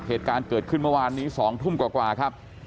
เหตุการณ์เกิดขึ้นเมื่อวานนี้๒ทุ่มกว่าครับ